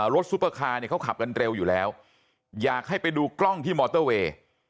ซุปเปอร์คาร์เนี่ยเขาขับกันเร็วอยู่แล้วอยากให้ไปดูกล้องที่มอเตอร์เวย์